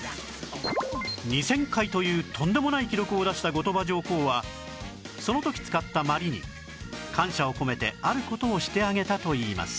２０００回というとんでもない記録を出した後鳥羽上皇はその時使った鞠に感謝を込めてある事をしてあげたといいます